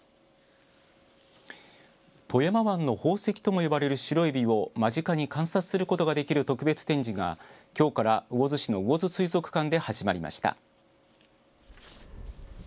富山湾の宝石とも呼ばれるシロエビを間近に観察することができる特別展示が、きょうから魚津市の魚津水族館で始まりました。